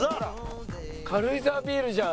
軽井沢ビールじゃん。